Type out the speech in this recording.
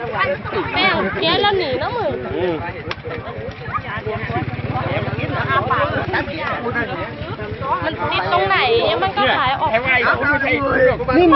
มีบอดกระดึ้ง